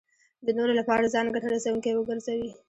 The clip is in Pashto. د نورو لپاره ځان ګټه رسوونکی وګرځوي.